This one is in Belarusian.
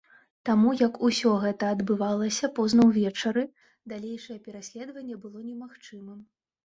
Таму як усё гэта адбывалася позна ўвечары, далейшае пераследаванне было немагчымым.